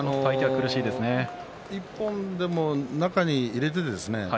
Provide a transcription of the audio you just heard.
１本でも中に入れてですね